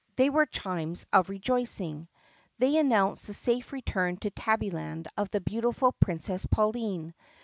They were chimes of rejoicing. They announced the safe return to Tabby land of the beloved Princess Pauline.